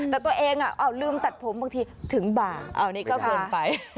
แต่ตัวเองลืมตัดผมบางทีถึงบ่าเอานี่ก็เกินไป